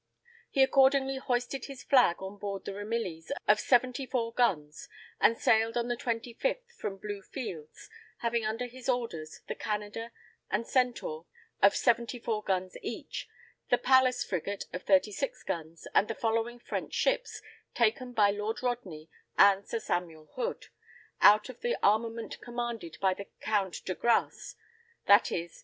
He accordingly hoisted his flag on board the Ramillies of 74 guns, and sailed on the 25th from Blue Fields, having under his orders the Canada and Centaur of 74 guns each, the Pallas frigate of 36 guns, and the following French ships, taken by Lord Rodney and Sir Samuel Hood, out of the armament commanded by the Count de Grasse, viz.